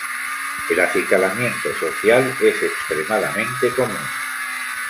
El acicalamiento social es extremadamente común.